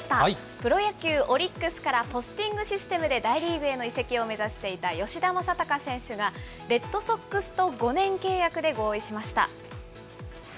プロ野球・オリックスからポスティングシステムで大リーグへの移籍を目指していた吉田正尚選手が、レッドソックスと５年契約で合意しました。